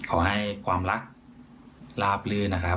ขอให้ความรักลาบลื่นนะครับ